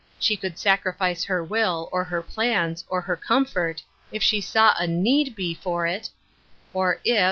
She could sacrifice her will, or her plans, or her comfort, if she saw a need he for it, or if.